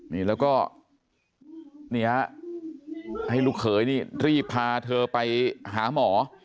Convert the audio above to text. นี่แล้วก็นี่ฮะให้ลูกเขยนี่รีบพาเธอไปหาหมอ